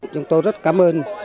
chúng tôi rất cảm ơn